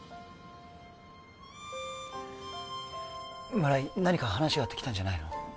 村井何か話があって来たんじゃないの？